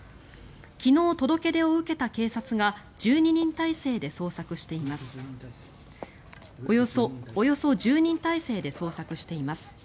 昨日、届け出を受けた警察がおよそ１０人態勢で捜索しています。